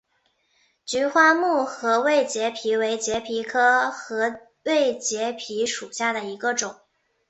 菊花木合位节蜱为节蜱科合位节蜱属下的一个种。